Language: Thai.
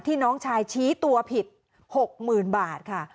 น้องชายชี้ตัวผิด๖๐๐๐บาทค่ะ